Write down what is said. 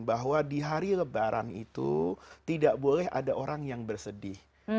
bahwa di hari lebaran itu tidak boleh ada orang yang bersedih